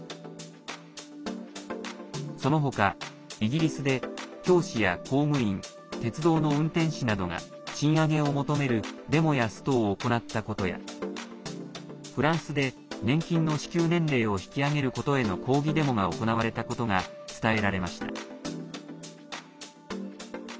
その他、イギリスで教師や公務員鉄道の運転士などが賃上げを求めるデモやストを行ったことやフランスで年金の支給年齢を引き上げることへの抗議デモが行われたことが伝えられました。